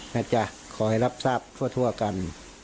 ขอให้รับทราบทั่วกัน